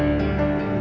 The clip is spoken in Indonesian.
ate bisa menikah